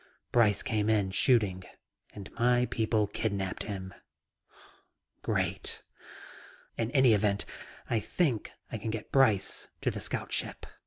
Brice came in shooting and my people kidnapped him." "Great." "In any event, I think I can get Brice to the scout ship.